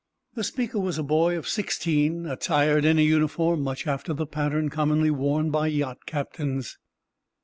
The speaker was a boy of sixteen, attired in a uniform much after the pattern commonly worn by yacht captains.